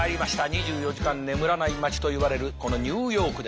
２４時間眠らない街といわれるこのニューヨークです。